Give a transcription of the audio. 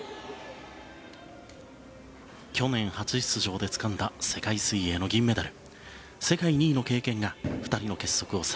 去年初出場でつかんだ世界水泳の銀メダル。